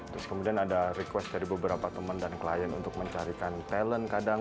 terus kemudian ada request dari beberapa teman dan klien untuk mencarikan talent kadang